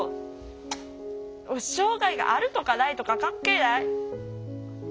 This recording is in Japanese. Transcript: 障害があるとかないとか関係ない。